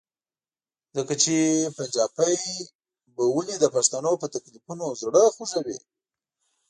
ځکه چې پنجابی به ولې د پښتنو په تکلیفونو زړه خوږوي؟